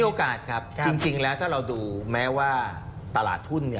โอกาสครับจริงแล้วถ้าเราดูแม้ว่าตลาดทุน